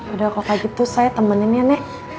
udah kalo kaget tuh saya temenin ya nek